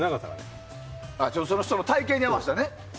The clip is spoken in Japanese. その人の体形に合わせてね。